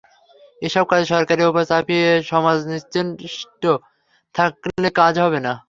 এসব কাজ সরকারের ওপর চাপিয়ে সমাজ নিশ্চেষ্ট থাকলে কাজ হবে না।